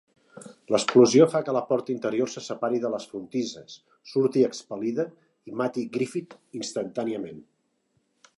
L'explosió fa que la porta interior se separi de les frontisses, surti expel·lida i mati Griffith instantàniament.